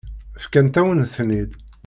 Fkant-awen-ten-id.